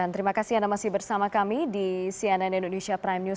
terima kasih anda masih bersama kami di cnn indonesia prime news